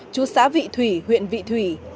chú xã vị thủy huyện vị thủy